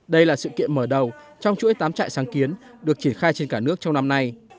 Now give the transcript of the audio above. đây là sự kiện mở đầu trong chuỗi tám trại sáng kiến được triển khai trên cả nước trong năm nay